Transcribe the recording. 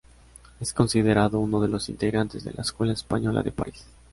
Es considerado uno de los integrantes de la Escuela Española de París.